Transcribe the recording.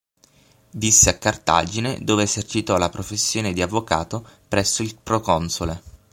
Visse a Cartagine dove esercitò la professione di avvocato presso il proconsole.